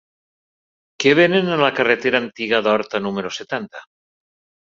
Què venen a la carretera Antiga d'Horta número setanta?